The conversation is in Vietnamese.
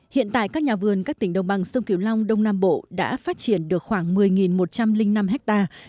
hiện tại các nhà vườn các tỉnh đồng bằng sông kiều long đông nam bộ đã phát triển được khoảng một mươi một trăm linh năm hectare